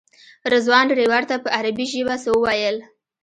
رضوان ډریور ته په عربي ژبه څه وویل.